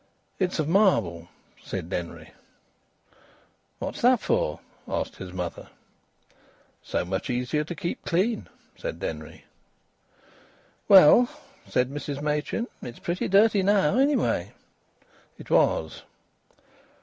"It's of marble," said Denry. "What's that for?" asked his mother. "So much easier to keep clean," said Denry. "Well," said Mrs Machin, "it's pretty dirty now, anyway." It was.